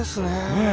ねえ？